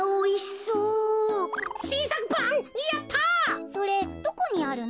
それどこにあるの？